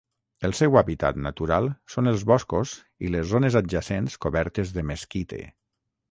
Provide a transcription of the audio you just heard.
El seu hàbitat natural són els boscos i les zones adjacents cobertes de mesquite.